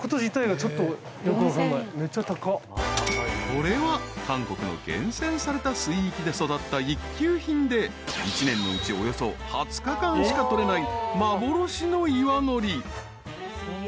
［これは韓国の厳選された水域で育った一級品で１年のうちおよそ２０日間しか採れない幻の岩のり］